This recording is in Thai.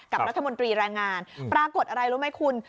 กับรัฐมนตรีแรงงานปรากฏอะไรรู้ไหมคุณ